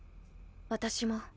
私も。